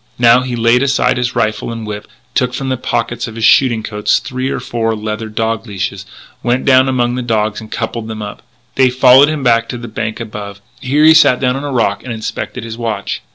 Now he laid aside his rifle and whip, took from the pocket of his shooting coat three or four leather dog leashes, went down among the dogs and coupled them up. They followed him back to the bank above. Here he sat down on a rock and inspected his watch.